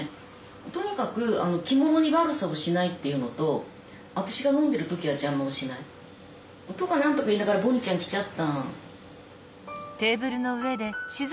とにかく着物に悪さをしないっていうのと私が飲んでいる時は邪魔をしないとかなんとか言いながらボニーちゃん来ちゃった。